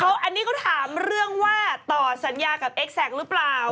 อันนี้ก็ถามเรื่องว่าต่อสัญญากับเอ็กแซคหรือเปล่า